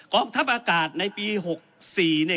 ทัพอากาศในปี๖๔เนี่ย